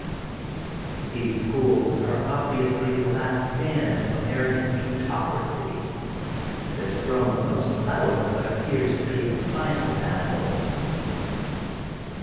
These schools are, obviously, the last stand of American plutocracy, that has grown most subtle in what appears to be its final battle.